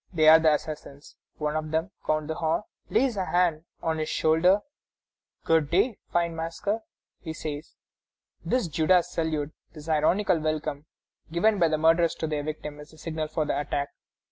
They are the assassins. One of them, Count de Horn, lays a hand on his shoulder: "Good day, fine masker!" he says. This Judas salute, this ironical welcome given by the murderers to their victim, is the signal for the attack.